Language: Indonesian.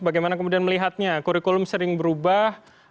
bagaimana kemudian melihatnya kurikulum sering berubah